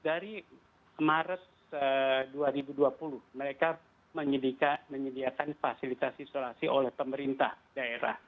dari maret dua ribu dua puluh mereka menyediakan fasilitas isolasi oleh pemerintah daerah